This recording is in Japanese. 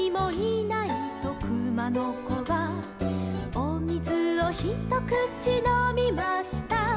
「おみずをひとくちのみました」